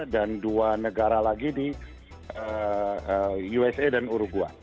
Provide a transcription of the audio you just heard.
dan dua negara lagi di usa dan uruguay